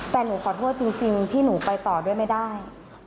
แต่หนูขอโทษจริงที่หนูไปต่อด้วยไม่ได้